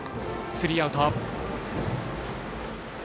スリーアウト。